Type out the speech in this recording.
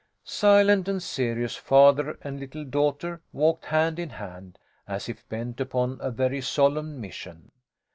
Silent and serious, father and little daughter walked hand in hand, as if bent upon a very solemn mission.